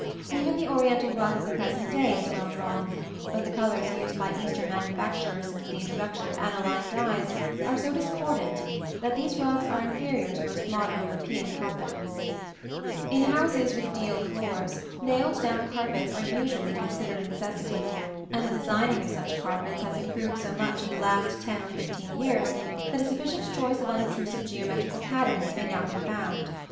Even the Oriental rug of the present day is well drawn; but the colors used by Eastern manufacturers since the introduction of aniline dyes are so discordant that these rugs are inferior to most modern European carpets. [Illustration: PLATE XXVI. CEILING IN THE STYLE OF BÉRAIN. LOUIS XIV PERIOD.] In houses with deal floors, nailed down carpets are usually considered a necessity, and the designing of such carpets has improved so much in the last ten or fifteen years that a sufficient choice of unobtrusive geometrical patterns may now be found.